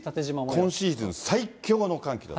今シーズン最強寒気。